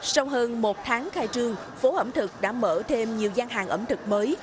sau hơn một tháng khai trương phố ẩm thực đã mở thêm nhiều gian hàng ẩm thực mới